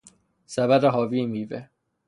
سبد حاوی میوه